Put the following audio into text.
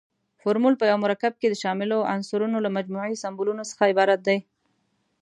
فورمول په یو مرکب کې د شاملو عنصرونو له مجموعي سمبولونو څخه عبارت دی.